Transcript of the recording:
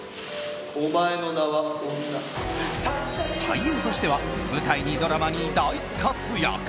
俳優としては舞台にドラマに、大活躍。